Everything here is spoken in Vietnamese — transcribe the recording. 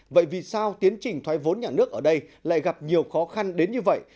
vậy vì sao tiến trình thoái vốn nhà nước ở đây lại gặp nhiều khó khăn đến như vậy